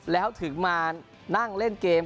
แล้วถึงมานั่งเล่นเกม